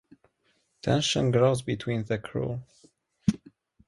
Tension grows between the crew.